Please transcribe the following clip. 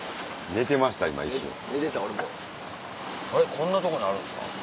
こんなとこにあるんですか？